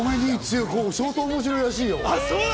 相当面白いらしいよ。